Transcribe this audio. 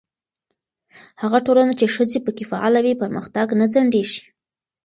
هغه ټولنه چې ښځې پکې فعاله وي، پرمختګ نه ځنډېږي.